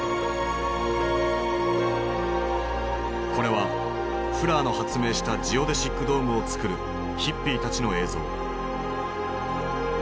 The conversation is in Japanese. これはフラーの発明したジオデシックドームをつくるヒッピーたちの映像。